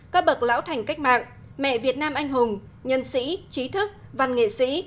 các bậc lão thành cách mạng mẹ việt nam anh hùng nhân sĩ trí thức văn nghệ sĩ